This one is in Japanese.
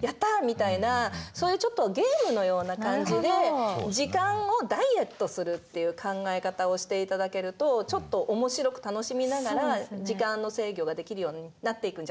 やった！」みたいなそういうゲームのような感じで時間をダイエットするっていう考え方をしていただけるとちょっと面白く楽しみながら時間の制御ができるようになっていくんじゃないかなって。